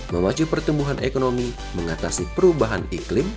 memacu pertumbuhan ekonomi mengatasi perubahan iklim